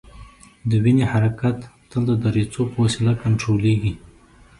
د وینې حرکت تل د دریڅو په وسیله کنترولیږي.